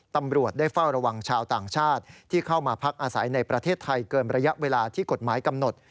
ตำรวจได้เฝ้าระวังชาวต่างชาติที่เข้ามาพักอาศัยในประเทศไทยเกินระยะเวลาที่กฎหมายกำหนด